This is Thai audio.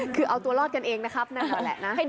คือเอาตัวรอดกันเองนะครับแน่นอนแหละนะ